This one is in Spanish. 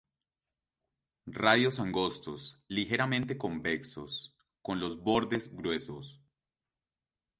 Radios angostos, ligeramente convexos, con los bordes gruesos.